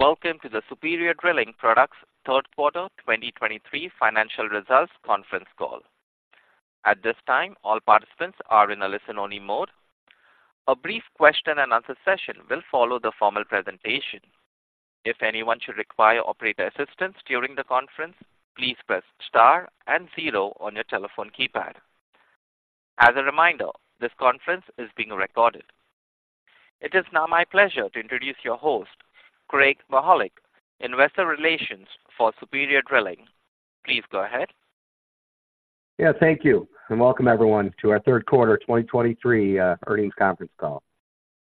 Welcome to the Superior Drilling Products Third Quarter 2023 Financial Results Conference Call. At this time, all participants are in a listen-only mode. A brief question-and-answer session will follow the formal presentation. If anyone should require operator assistance during the conference, please press Star and zero on your telephone keypad. As a reminder, this conference is being recorded. It is now my pleasure to introduce your host, Craig Mychajluk, Investor Relations for Superior Drilling. Please go ahead. Yeah, thank you, and welcome everyone to our Third Quarter 2023 Earnings Conference Call.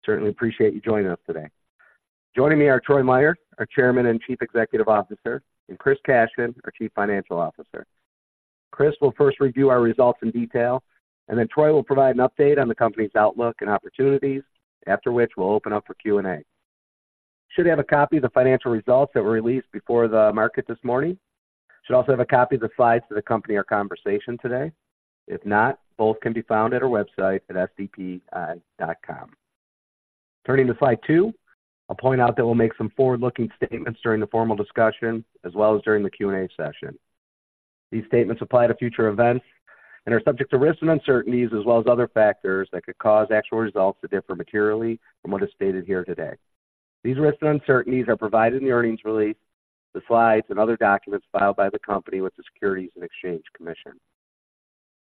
Certainly appreciate you joining us today. Joining me are Troy Meier, our Chairman and Chief Executive Officer, and Chris Cashion, our Chief Financial Officer. Chris will first review our results in detail, and then Troy will provide an update on the company's outlook and opportunities, after which we'll open up for Q&A. You should have a copy of the financial results that were released before the market this morning. You should also have a copy of the slides to accompany, our conversation today. If not, both can be found at our website at SDP.com. Turning to slide 2, I'll point out that we'll make some forward-looking statements during the formal discussion as well as during the Q&A session. These statements apply to future events and are subject to risks and uncertainties, as well as other factors that could cause actual results to differ materially from what is stated here today. These risks and uncertainties are provided in the earnings release, the slides, and other documents filed by the company with the Securities and Exchange Commission.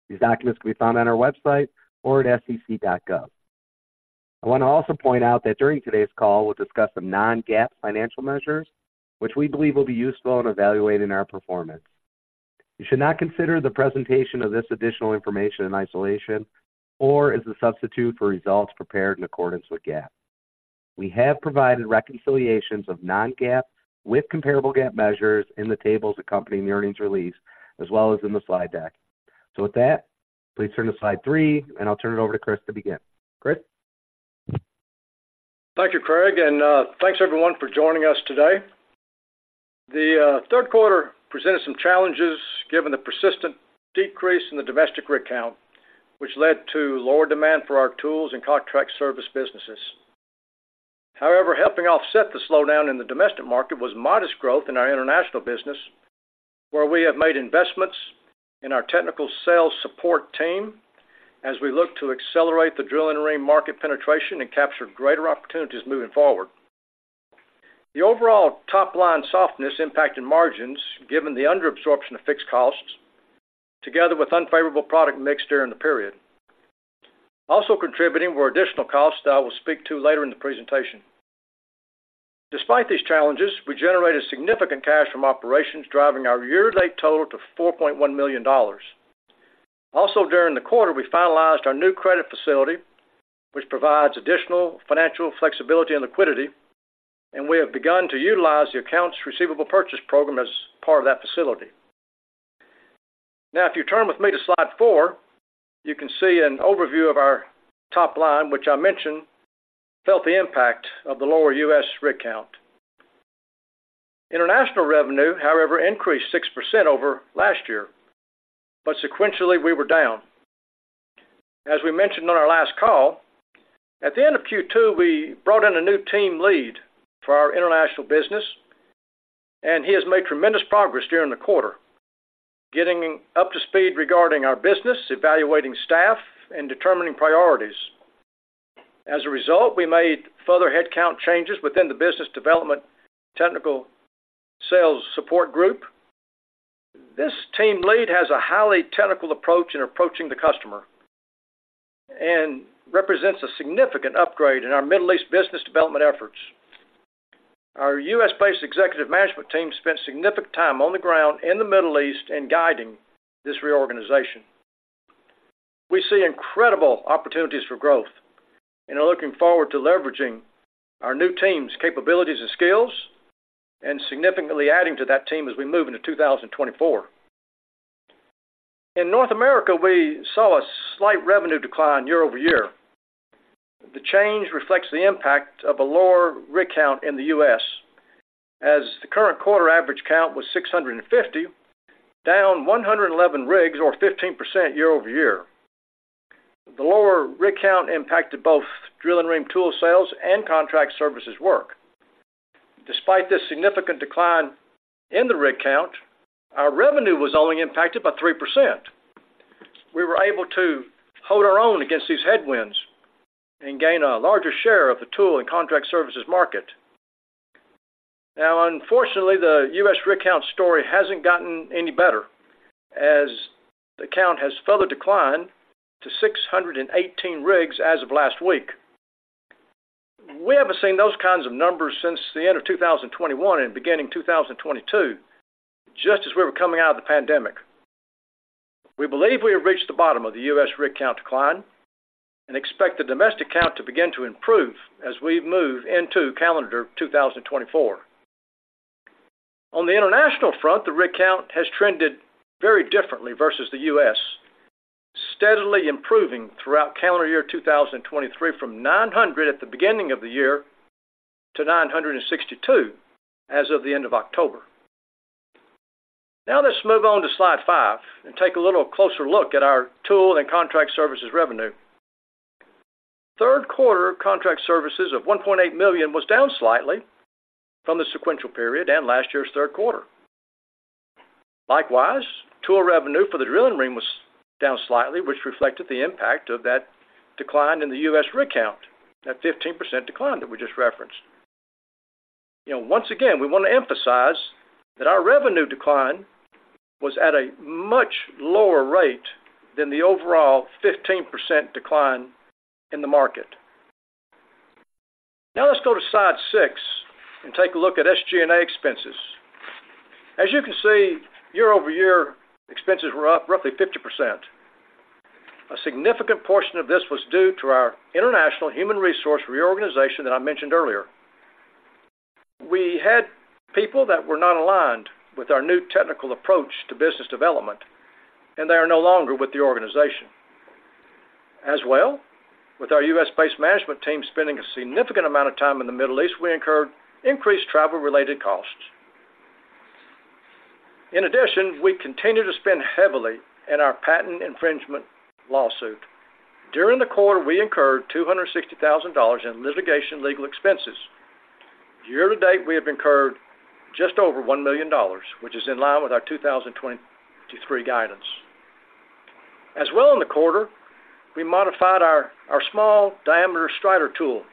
These documents can be found on our website or at sec.gov. I want to also point out that during today's call, we'll discuss some non-GAAP financial measures, which we believe will be useful in evaluating our performance. You should not consider the presentation of this additional information in isolation or as a substitute for results prepared in accordance with GAAP. We have provided reconciliations of non-GAAP with comparable GAAP measures in the tables accompanying the earnings release, as well as in the slide deck. With that, please turn to slide 3, and I'll turn it over to Chris to begin. Chris? Thank you, Craig, and thanks, everyone, for joining us today. The third quarter presented some challenges given the persistent decrease in the domestic rig count, which led to lower demand for our tools and contract service businesses. However, helping offset the slowdown in the domestic market was modest growth in our international business, where we have made investments in our technical sales support team as we look to accelerate the Drill-N-Ream market penetration and capture greater opportunities moving forward. The overall top-line softness impacted margins given the under absorption of fixed costs, together with unfavorable product mix during the period. Also contributing were additional costs that I will speak to later in the presentation. Despite these challenges, we generated significant cash from operations, driving our year-to-date total to $4.1 million. Also, during the quarter, we finalized our new credit facility, which provides additional financial flexibility and liquidity, and we have begun to utilize the accounts receivable purchase program as part of that facility. Now, if you turn with me to slide 4, you can see an overview of our top line, which I mentioned felt the impact of the lower U.S. rig count. International revenue, however, increased 6% over last year, but sequentially, we were down. As we mentioned on our last call, at the end of Q2, we brought in a new team lead for our international business, and he has made tremendous progress during the quarter, getting up to speed regarding our business, evaluating staff, and determining priorities. As a result, we made further headcount changes within the business development technical sales support group. This team lead has a highly technical approach in approaching the customer and represents a significant upgrade in our Middle East business development efforts. Our U.S.-based executive management team spent significant time on the ground in the Middle East in guiding this reorganization. We see incredible opportunities for growth and are looking forward to leveraging our new team's capabilities and skills and significantly adding to that team as we move into 2024. In North America, we saw a slight revenue decline year-over-year. The change reflects the impact of a lower rig count in the U.S., as the current quarter average count was 650, down 111 rigs or 15% year-over-year. The lower rig count impacted both Drill-N-Ream tool sales and contract services work. Despite this significant decline in the rig count, our revenue was only impacted by 3%. We were able to hold our own against these headwinds and gain a larger share of the tool and contract services market. Now, unfortunately, the U.S. rig count story hasn't gotten any better as the count has further declined to 618 rigs as of last week. We haven't seen those kinds of numbers since the end of 2021 and beginning 2022, just as we were coming out of the pandemic. We believe we have reached the bottom of the U.S. rig count decline and expect the domestic count to begin to improve as we move into calendar 2024. On the international front, the rig count has trended very differently versus the U.S., steadily improving throughout calendar year 2023, from 900 at the beginning of the year to 962 as of the end of October. Now let's move on to Slide 5 and take a little closer look at our tool and contract services revenue. Third quarter contract services of $1.8 million was down slightly from the sequential period and last year's third quarter. Likewise, tool revenue for the Drill-N-Ream was down slightly, which reflected the impact of that decline in the U.S. rig count, that 15% decline that we just referenced. You know, once again, we want to emphasize that our revenue decline was at a much lower rate than the overall 15% decline in the market. Now let's go to Slide 6 and take a look at SG&A expenses. As you can see, year-over-year expenses were up roughly 50%. A significant portion of this was due to our international human resource reorganization that I mentioned earlier. We had people that were not aligned with our new technical approach to business development, and they are no longer with the organization. As well, with our U.S.-based management team spending a significant amount of time in the Middle East, we incurred increased travel-related costs. In addition, we continue to spend heavily in our patent infringement lawsuit. During the quarter, we incurred $260,000 in litigation legal expenses. Year to date, we have incurred just over $1 million, which is in line with our 2023 guidance. As well, in the quarter, we modified our small diameter Strider tool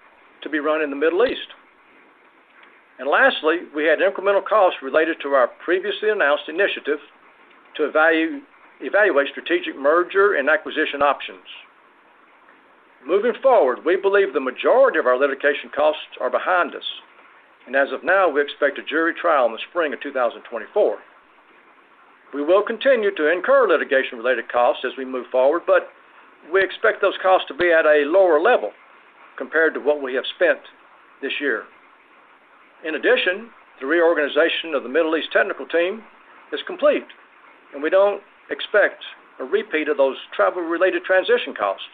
to be run in the Middle East. Lastly, we had incremental costs related to our previously announced initiative to evaluate strategic merger and acquisition options. Moving forward, we believe the majority of our litigation costs are behind us, and as of now, we expect a jury trial in the spring of 2024. We will continue to incur litigation-related costs as we move forward, but we expect those costs to be at a lower level compared to what we have spent this year. In addition, the reorganization of the Middle East technical team is complete, and we don't expect a repeat of those travel-related transition costs,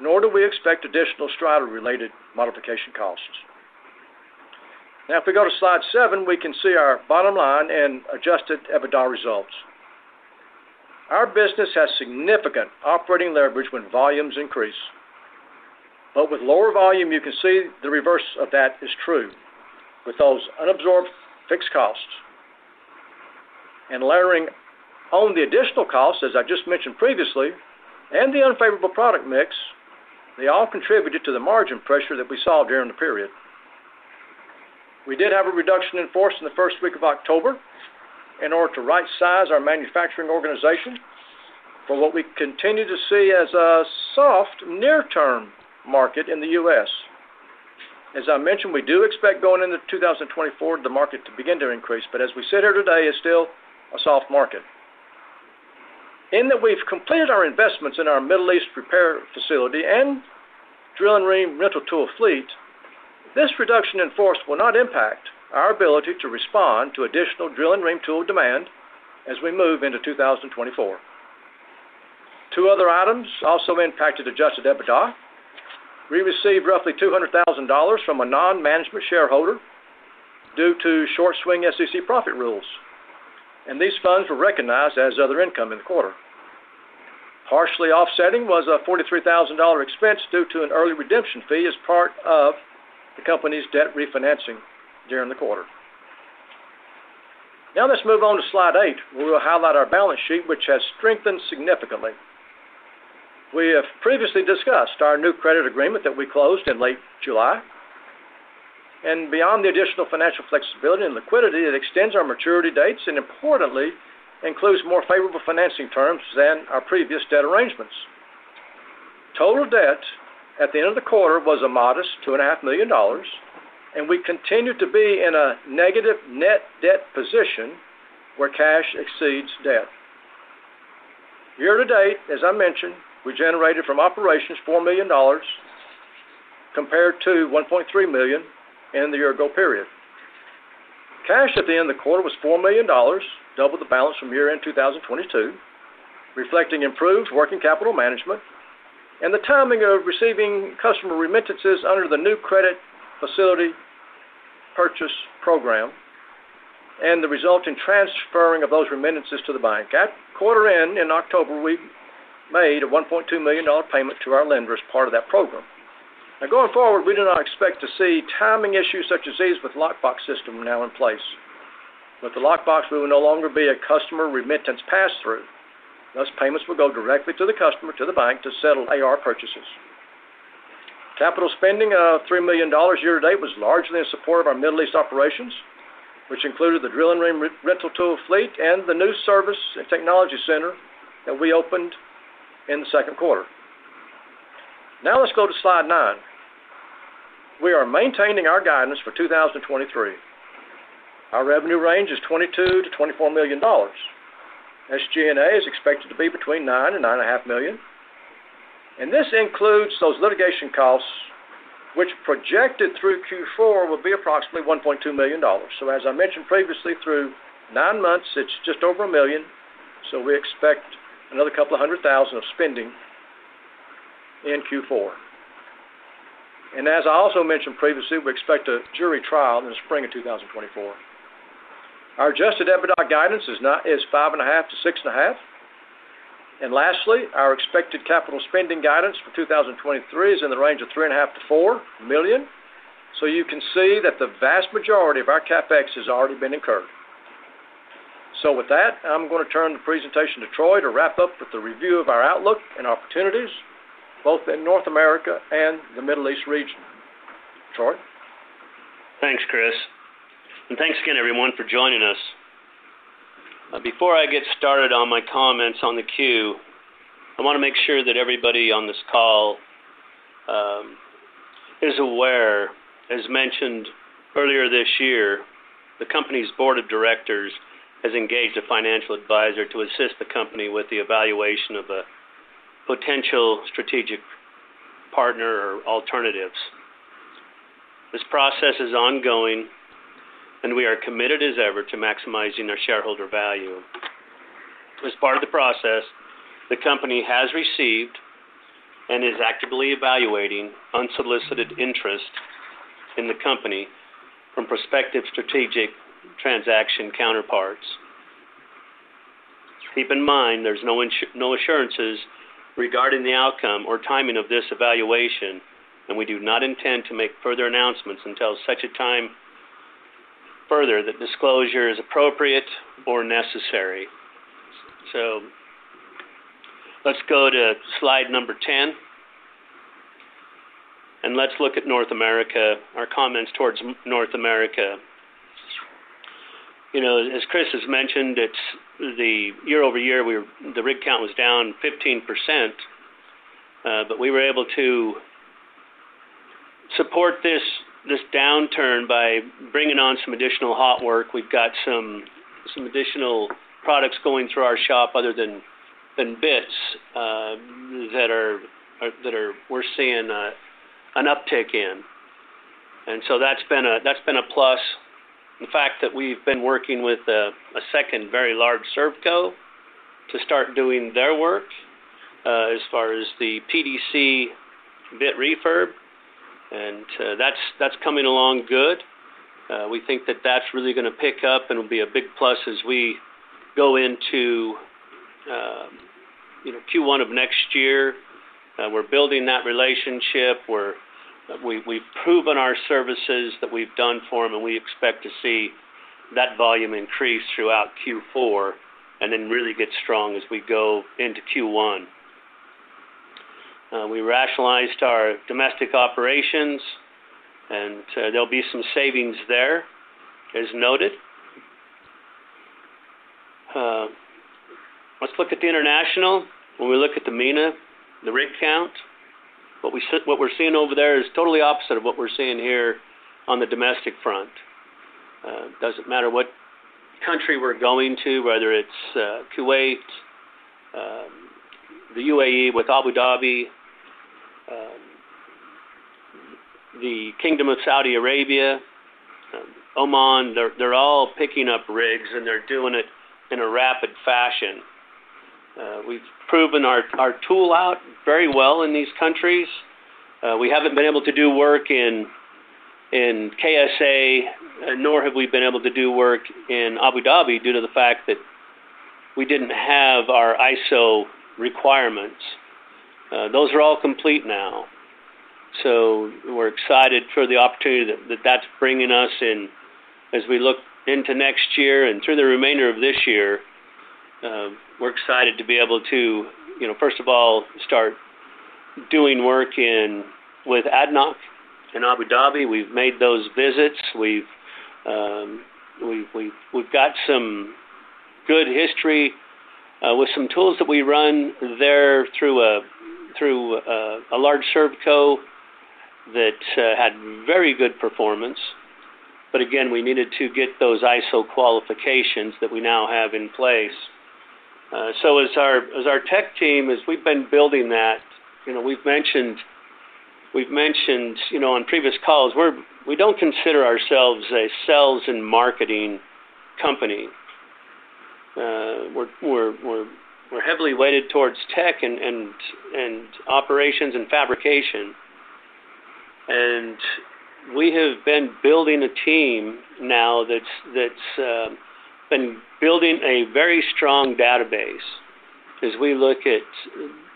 nor do we expect additional Strider-related modification costs. Now, if we go to Slide 7, we can see our bottom line and Adjusted EBITDA results. Our business has significant operating leverage when volumes increase, but with lower volume, you can see the reverse of that is true. With those unabsorbed fixed costs and layering on the additional costs, as I just mentioned previously, and the unfavorable product mix, they all contributed to the margin pressure that we saw during the period. We did have a reduction in force in the first week of October in order to rightsize our manufacturing organization for what we continue to see as a soft near-term market in the U.S. As I mentioned, we do expect going into 2024, the market to begin to increase, but as we sit here today, it's still a soft market. In that we've completed our investments in our Middle East repair facility and Drill-N-Ream rental tool fleet, this reduction in force will not impact our ability to respond to additional Drill-N-Ream tool demand as we move into 2024. Two other items also impacted Adjusted EBITDA. We received roughly $200,000 from a non-management shareholder due to short swing SEC profit rules, and these funds were recognized as other income in the quarter. Partially offsetting was a $43,000 expense due to an early redemption fee as part of the company's debt refinancing during the quarter. Now let's move on to Slide 8. We will highlight our balance sheet, which has strengthened significantly. We have previously discussed our new credit agreement that we closed in late July, and beyond the additional financial flexibility and liquidity, it extends our maturity dates and importantly, includes more favorable financing terms than our previous debt arrangements. Total debt at the end of the quarter was a modest $2.5 million, and we continued to be in a negative net debt position where cash exceeds debt. Year to date, as I mentioned, we generated from operations $4 million compared to $1.3 million in the year-ago period. Cash at the end of the quarter was $4 million, double the balance from year-end 2022, reflecting improved working capital management and the timing of receiving customer remittances under the new credit facility purchase program and the resulting transferring of those remittances to the bank. At quarter end in October, we made a $1.2 million payment to our lender as part of that program. Now going forward, we do not expect to see timing issues such as these with lockbox system now in place. With the lockbox, we will no longer be a customer remittance pass-through. Thus, payments will go directly to the customer, to the bank to settle AR purchases. Capital spending of $3 million year to date was largely in support of our Middle East operations, which included the Drill-N-Ream rental tool fleet and the new service and technology center that we opened in the second quarter. Now let's go to Slide 9. We are maintaining our guidance for 2023. Our revenue range is $22 million to $24 million. SG&A is expected to be between $9-$9.5 million, and this includes those litigation costs, which projected through Q4, will be approximately $1.2 million. So as I mentioned previously, through 9 months, it's just over $1 million, so we expect another couple hundred thousand of spending in Q4. And as I also mentioned previously, we expect a jury trial in the spring of 2024. Our Adjusted EBITDA guidance is not, is $5.5-$6.5 million. And lastly, our expected capital spending guidance for 2023 is in the range of $3.5-$4 million. So you can see that the vast majority of our CapEx has already been incurred. With that, I'm going to turn the presentation to Troy to wrap up with the review of our outlook and opportunities, both in North America and the Middle East region. Troy? Thanks, Chris, and thanks again everyone for joining us. Before I get started on my comments on the queue, I want to make sure that everybody on this call is aware. As mentioned earlier this year, the company's board of directors has engaged a financial advisor to assist the company with the evaluation of a potential strategic partner or alternatives. This process is ongoing, and we are committed as ever to maximizing our shareholder value. As part of the process, the company has received and is actively evaluating unsolicited interest in the company from prospective strategic transaction counterparts. Keep in mind, there's no assurances regarding the outcome or timing of this evaluation, and we do not intend to make further announcements until such a time further that disclosure is appropriate or necessary. So let's go to slide number 10, and let's look at North America, our comments towards North America. You know, as Chris has mentioned, it's the year-over-year, the rig count was down 15%, but we were able to support this downturn by bringing on some additional hot work. We've got some additional products going through our shop other than bits that are—we're seeing an uptick in, and so that's been a plus. The fact that we've been working with a second very large servco to start doing their work as far as the PDC bit refurb, and that's coming along good. We think that that's really gonna pick up and will be a big plus as we go into Q1 of next year. We're building that relationship, we're, we've, we've proven our services that we've done for them, and we expect to see that volume increase throughout Q4, and then really get strong as we go into Q1. We rationalized our domestic operations, and there'll be some savings there, as noted. Let's look at the international. When we look at the MENA, the rig count, what we're seeing over there is totally opposite of what we're seeing here on the domestic front. Doesn't matter what country we're going to, whether it's, Kuwait, the UAE with Abu Dhabi, the Kingdom of Saudi Arabia, Oman, they're, they're all picking up rigs, and they're doing it in a rapid fashion. We've proven our, our tool out very well in these countries. We haven't been able to do work in KSA, nor have we been able to do work in Abu Dhabi due to the fact that we didn't have our ISO requirements. Those are all complete now. So we're excited for the opportunity that's bringing us in. As we look into next year and through the remainder of this year, we're excited to be able to, you know, first of all, start doing work in with ADNOC in Abu Dhabi. We've made those visits. We've got some good history with some tools that we run there through a large servco that had very good performance. But again, we needed to get those ISO qualifications that we now have in place. So as our tech team, as we've been building that, you know, we've mentioned, you know, on previous calls, we don't consider ourselves a sales and marketing company. We're heavily weighted towards tech and operations and fabrication. We have been building a team now that's been building a very strong database as we look at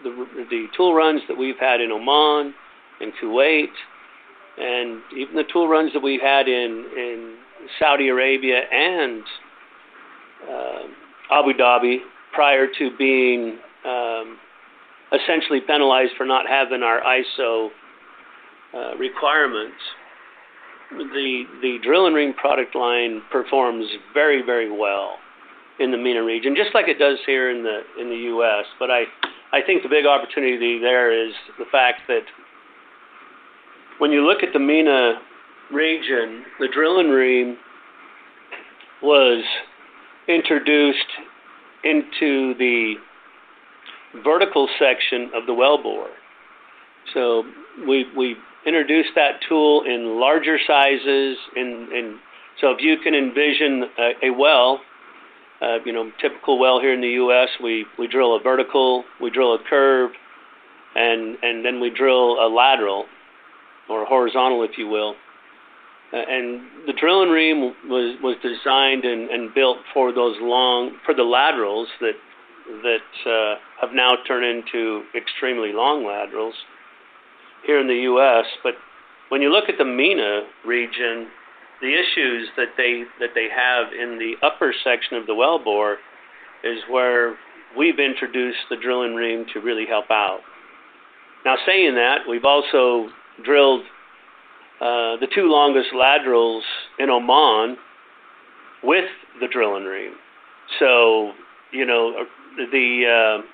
the tool runs that we've had in Oman and Kuwait, and even the tool runs that we've had in Saudi Arabia and Abu Dhabi, prior to being essentially penalized for not having our ISO requirements. The Drill and Ream product line performs very well in the MENA region, just like it does here in the U.S. But I think the big opportunity there is the fact that when you look at the MENA region, the Drill-N-Ream was introduced into the vertical section of the wellbore. So we introduced that tool in larger sizes—so if you can envision a you know, typical well, here in the U.S., we drill a vertical, we drill a curve, and then we drill a lateral or horizontal, if you will. And the Drill-N-Ream was designed and built for those long laterals that have now turned into extremely long laterals here in the U.S. But when you look at the MENA region, the issues that they have in the upper section of the wellbore is where we've introduced the Drill-N-Ream to really help out. Now, saying that, we've also drilled the two longest laterals in Oman with the Drill-N-Ream. So you know, I'm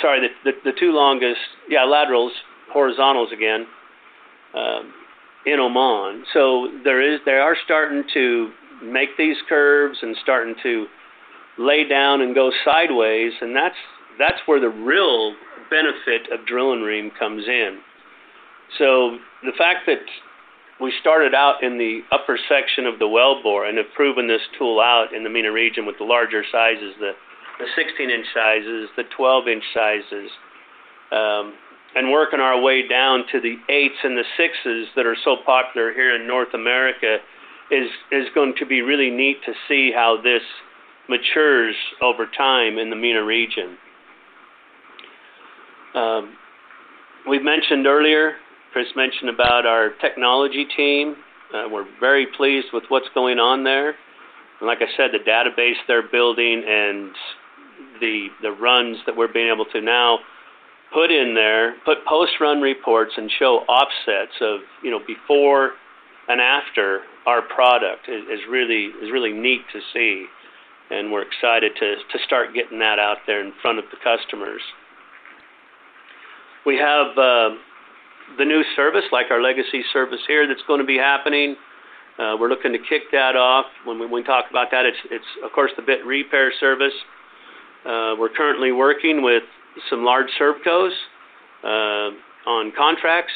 sorry, the two longest laterals, horizontals again, in Oman. So there is- they are starting to make these curves and starting to lay down and go sideways, and that's where the real benefit of Drill-N-Ream comes in. So the fact that we started out in the upper section of the wellbore and have proven this tool out in the MENA region with the larger sizes, the 16-inch sizes, the 12-inch sizes, and working our way down to the 8s and the 6s that are so popular here in North America, is going to be really neat to see how this matures over time in the MENA region. We mentioned earlier, Chris mentioned about our technology team. We're very pleased with what's going on there. And like I said, the database they're building and the runs that we're being able to now put in there, put post-run reports and show offsets of, you know, before and after our product is really neat to see, and we're excited to start getting that out there in front of the customers. We have the new service, like our legacy service here, that's gonna be happening. We're looking to kick that off. When we talk about that, it's, of course, the bit repair service. We're currently working with some large servcos on contracts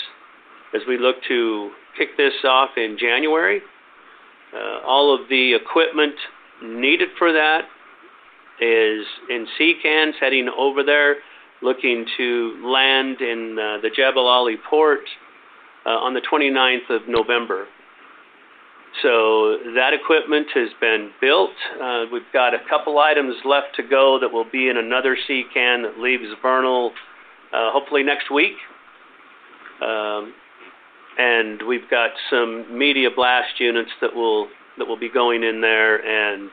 as we look to kick this off in January. All of the equipment needed for that is in sea cans, heading over there, looking to land in the Jebel Ali Port on the twenty-ninth of November. So that equipment has been built. We've got a couple items left to go that will be in another Sea can that leaves Vernal, hopefully next week. And we've got some media blast units that will be going in there and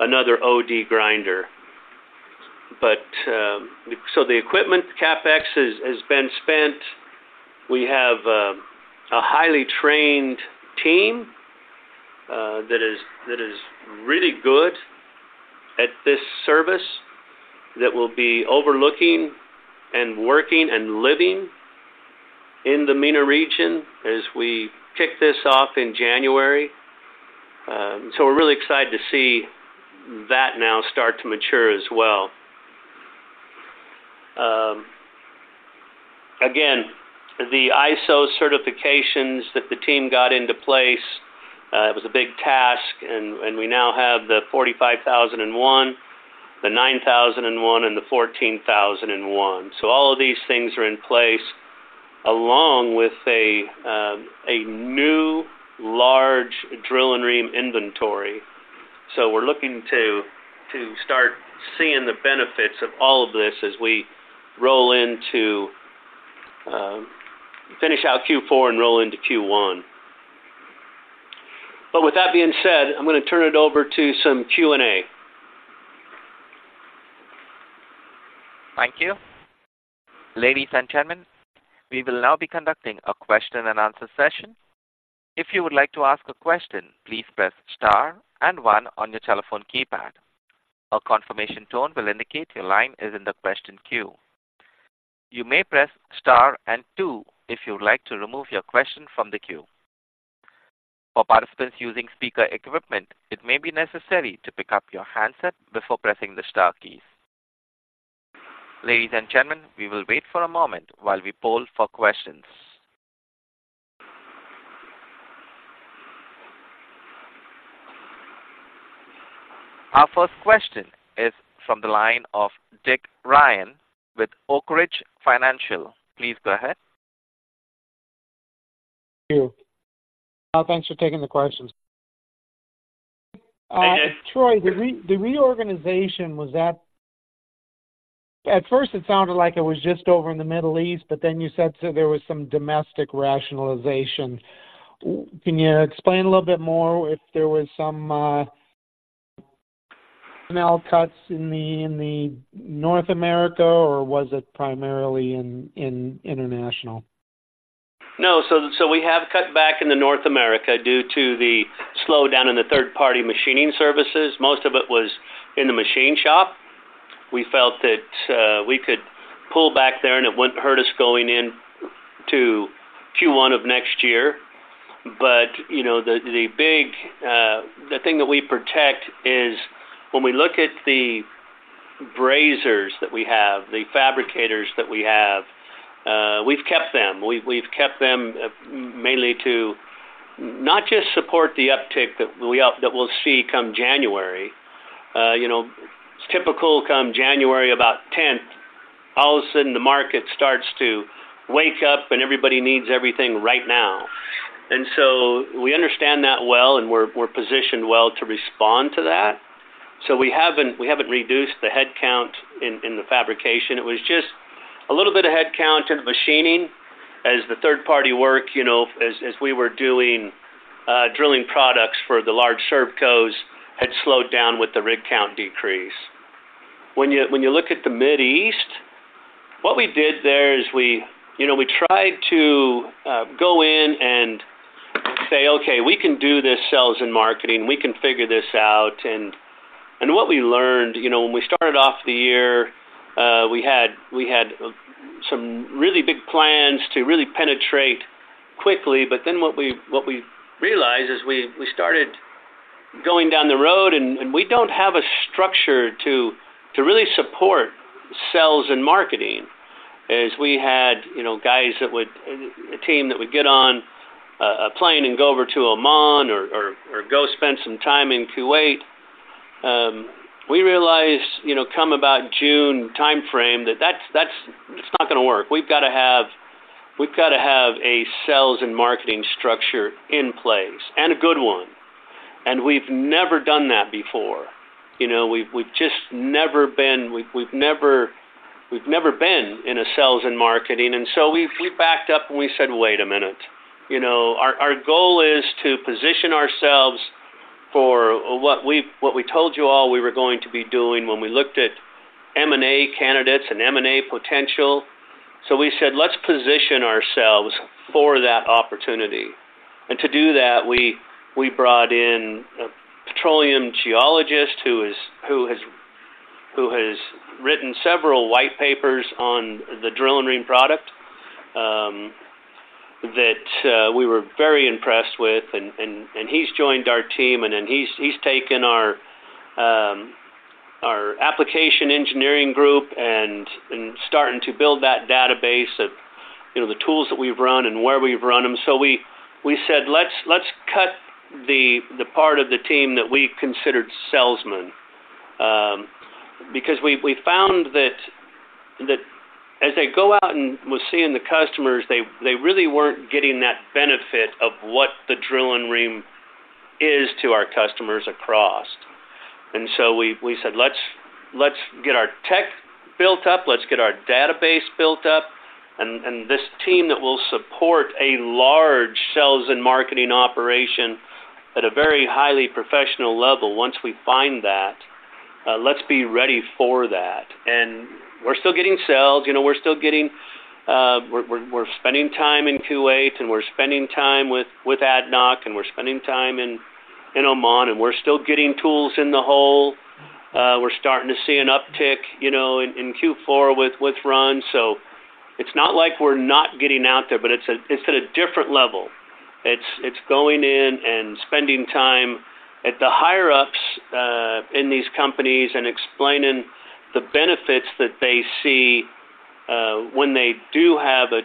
another OD grinder. But so the equipment CapEx has been spent. We have a highly trained team that is really good at this service, that will be overlooking and working and living in the MENA region as we kick this off in January. So we're really excited to see that now start to mature as well. Again, the ISO certifications that the team got into place, it was a big task, and we now have the ISO 9001, the ISO 14001, and the ISO 45001. So all of these things are in place, along with a new large Drill-N-Ream inventory. So we're looking to start seeing the benefits of all of this as we roll into finish out Q4 and roll into Q1. But with that being said, I'm gonna turn it over to some Q&A. Thank you. Ladies and gentlemen, we will now be conducting a question-and-answer session. If you would like to ask a question, please press Star and One on your telephone keypad. A confirmation tone will indicate your line is in the question queue. You may press Star and Two if you would like to remove your question from the queue. For participants using speaker equipment, it may be necessary to pick up your handset before pressing the star key. Ladies and gentlemen, we will wait for a moment while we poll for questions. Our first question is from the line of Dick Ryan with Oak Ridge Financial. Please go ahead. Thank you. Thanks for taking the questions. Hi, Dick. Troy, the reorganization was that at first, it sounded like it was just over in the Middle East, but then you said so there was some domestic rationalization. Can you explain a little bit more if there was some cuts in the, in the North America, or was it primarily in, in international? No. So we have cut back in North America due to the slowdown in the third-party machining services. Most of it was in the machine shop. We felt that we could pull back there, and it wouldn't hurt us going into Q1 of next year. But you know, the big thing that we protect is when we look at the brazers that we have, the fabricators that we have, we've kept them. We've kept them mainly to not just support the uptick that we'll see come January. You know, typical come January, about tenth, all of a sudden, the market starts to wake up, and everybody needs everything right now. And so we understand that well, and we're positioned well to respond to that. So we haven't reduced the headcount in the fabrication. It was just a little bit of headcount in the machining as the third-party work, you know, as we were doing drilling products for the large servcos had slowed down with the rig count decrease. When you look at the Middle East, what we did there is we, you know, we tried to go in and say, okay, we can do this sales and marketing. We can figure this out, and what we learned, you know, when we started off the year, we had some really big plans to really penetrate quickly. But then what we realized is we started going down the road, and we don't have a structure to really support sales and marketing. As we had, you know, guys that would A team that would get on a plane and go over to Oman or go spend some time in Kuwait. We realized, you know, come about June timeframe, that that's not gonna work. We've gotta have a sales and marketing structure in place and a good one. And we've never done that before. You know, we've just never been in a sales and marketing, and so we backed up, and we said, wait a minute. You know, our goal is to position ourselves for what we told you all we were going to be doing when we looked at M&A candidates and M&A potential. So we said, let's position ourselves for that opportunity. To do that, we brought in a petroleum geologist who has written several white papers on the Drill-N-Ream product that we were very impressed with, and he's joined our team, and then he's taken our application engineering group and starting to build that database of, you know, the tools that we've run and where we've run them. So we said, let's cut the part of the team that we considered salesmen. Because we found that as they go out and was seeing the customers, they really weren't getting that benefit of what the Drill-N-Ream is to our customers across. And so we said, let's get our tech built up, let's get our database built up, and this team that will support a large sales and marketing operation at a very highly professional level, once we find that, let's be ready for that. And we're still getting sales, you know, we're still getting, we're spending time in Kuwait, and we're spending time with ADNOC, and we're spending time in Oman, and we're still getting tools in the hole. We're starting to see an uptick, you know, in Q4 with runs. So it's not like we're not getting out there, but it's at a different level. It's going in and spending time at the higher-ups in these companies and explaining the benefits that they see when they do have a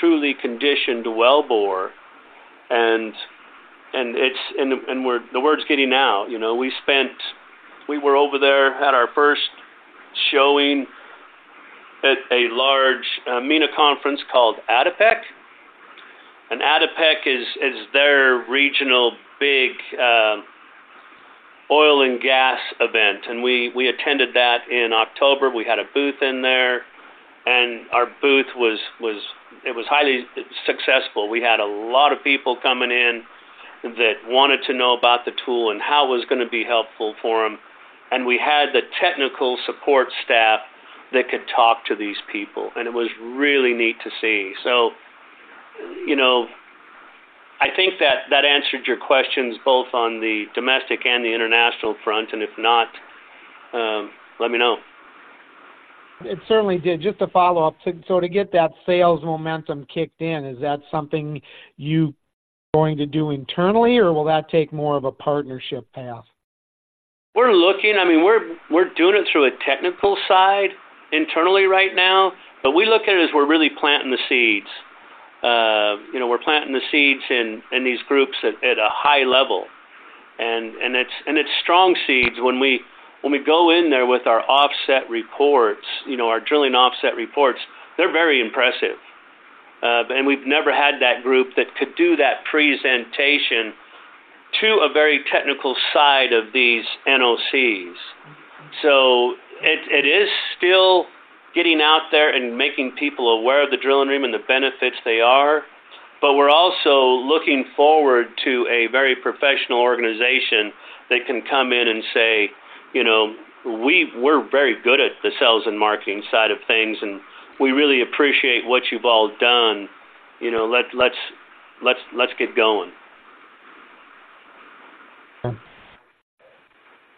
truly conditioned wellbore. And it's we're the word's getting out, you know, we were over there, had our first showing at a large MENA conference called ADIPEC. And ADIPEC is their regional big oil and gas event, and we attended that in October. We had a booth in there, and our booth was, it was highly successful. We had a lot of people coming in that wanted to know about the tool and how it was gonna be helpful for them, and we had the technical support staff that could talk to these people, and it was really neat to see. So, you know, I think that that answered your questions, both on the domestic and the international front, and if not, let me know. It certainly did. Just to follow up, so, so to get that sales momentum kicked in, is that something you going to do internally, or will that take more of a partnership path? We're looking. I mean, we're doing it through a technical side internally right now, but we look at it as we're really planting the seeds. You know, we're planting the seeds in these groups at a high level, and it's strong seeds. When we go in there with our offset reports, you know, our drilling offset reports, they're very impressive. And we've never had that group that could do that presentation to a very technical side of these NOCs. So it is still getting out there and making people aware of the Drill-N-Ream and the benefits they are, but we're also looking forward to a very professional organization that can come in and say, you know, we're very good at the sales and marketing side of things, and we really appreciate what you've all done. You know, let's get going.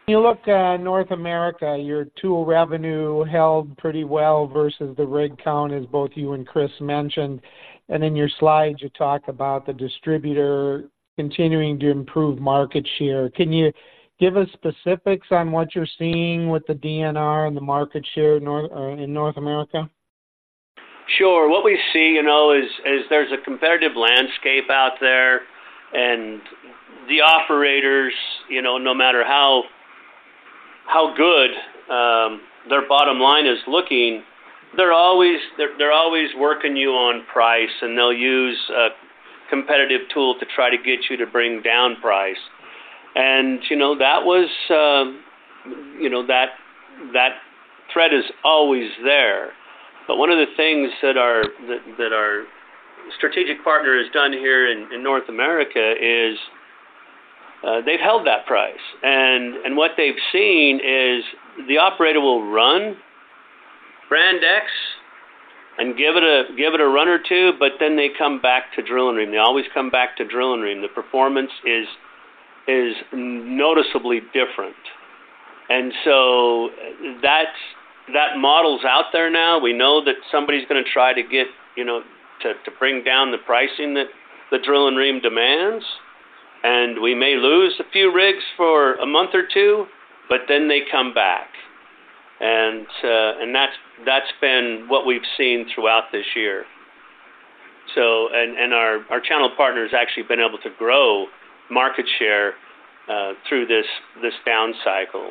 When you look at North America, your tool revenue held pretty well versus the rig count, as both you and Chris mentioned. And in your slides, you talk about the distributor continuing to improve market share. Can you give us specifics on what you're seeing with the DNR and the market share in North, in North America? Sure. What we see, you know, is there's a competitive landscape out there, and the operators, you know, no matter how good their bottom line is looking, they're always working you on price, and they'll use a competitive tool to try to get you to bring down price. And, you know, that threat is always there. But one of the things that our strategic partner has done here in North America is, they've held that price. And what they've seen is the operator will run brand X and give it a run or two, but then they come back to Drill-N-Ream. They always come back to Drill-N-Ream. The performance is noticeably different. And so that's that model's out there now. We know that somebody's gonna try to get, you know, to bring down the pricing that the Drill-N-Ream demands, and we may lose a few rigs for a month or two, but then they come back. And that's been what we've seen throughout this year. And our channel partner has actually been able to grow market share through this down cycle.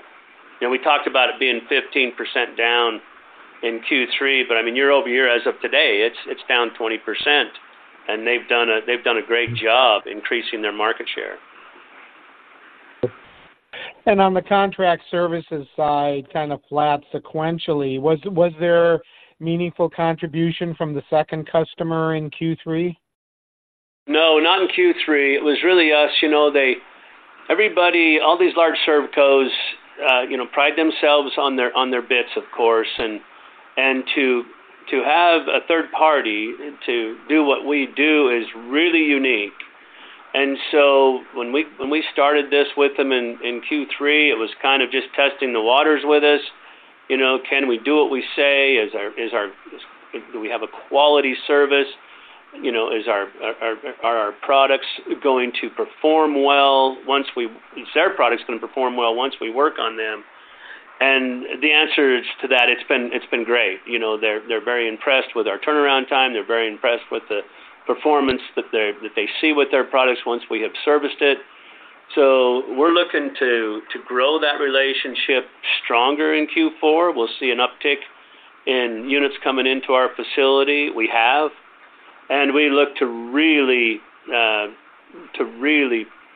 You know, we talked about it being 15% down in Q3, but I mean, year-over-year, as of today, it's down 20%, and they've done a great job increasing their market share. On the contract services side, kind of flat sequentially, was there meaningful contribution from the second customer in Q3? No, not in Q3. It was really us. You know, they. Everybody, all these large servcos, you know, pride themselves on their bits, of course, and to have a third party to do what we do is really unique. And so when we started this with them in Q3, it was kind of just testing the waters with us. You know, can we do what we say? Do we have a quality service? You know, are our products going to perform well once we... Is their products gonna perform well once we work on them? And the answers to that, it's been great. You know, they're very impressed with our turnaround time. They're very impressed with the performance that they see with their products once we have serviced it. So we're looking to grow that relationship stronger in Q4. We'll see an uptick in units coming into our facility. We have and we look to really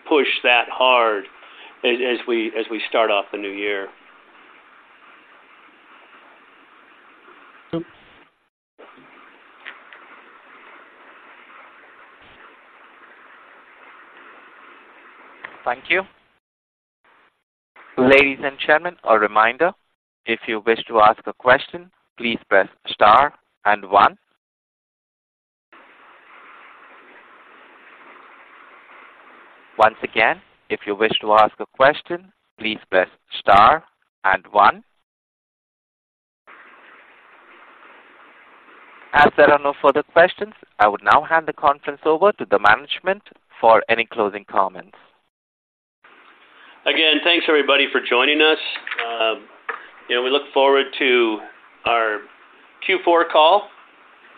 push that hard as we start off the new year. Thank you. Ladies and gentlemen, a reminder, if you wish to ask a question, please press star and one. Once again, if you wish to ask a question, please press star and one. As there are no further questions, I would now hand the conference over to the management for any closing comments. Again, thanks, everybody, for joining us. You know, we look forward to our Q4 call,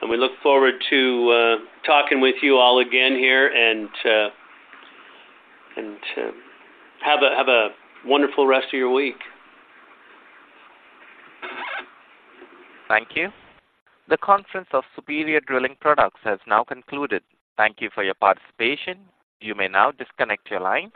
and we look forward to talking with you all again here, and have a wonderful rest of your week. Thank you. The conference of Superior Drilling Products has now concluded. Thank you for your participation. You may now disconnect your lines.